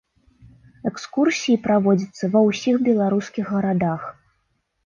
Экскурсіі праводзяцца ва ўсіх беларускіх гарадах.